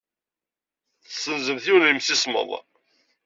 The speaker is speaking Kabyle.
Tessenzemt yiwen n yemsismeḍ.